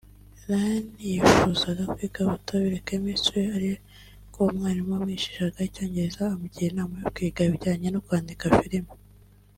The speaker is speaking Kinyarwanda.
Ryan yifuzaga kwiga ubutabire (chemistry) ariko umwarimu wamwigishaga icyongereza amugira inama yo kwiga ibijyanye no kwandika filime